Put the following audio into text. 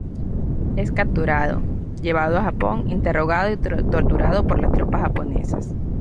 Es capturado, llevado a Japón, interrogado y torturado por las tropas japonesas.